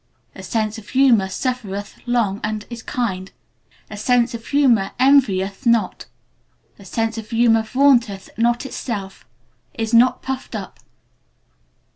"A sense of Humor suffereth long, and is kind. A Sense of Humor envieth not. A Sense of Humor vaunteth not itself is not puffed up.